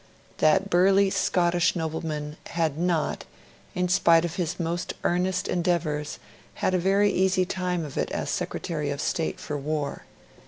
That burly Scottish nobleman had not, in spite of his most earnest endeavours, had a very easy time of it as Secretary of State for War.